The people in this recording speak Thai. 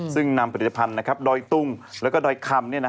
ซึ่งนำผลิตภัณฑ์ดอยตุ้งแล้วก็ดอยคำ